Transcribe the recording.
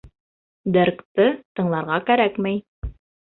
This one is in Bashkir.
Дэркты тыңларға кәрәкмәй.